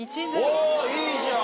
おいいじゃん！